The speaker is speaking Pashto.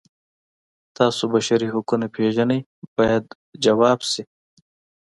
تاسو بشري حقونه پیژنئ باید ځواب شي.